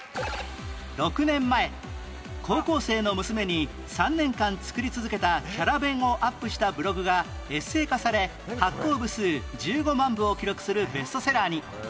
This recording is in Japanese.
６年前高校生の娘に３年間作り続けたキャラ弁をアップしたブログがエッセイ化され発行部数１５万部を記録するベストセラーに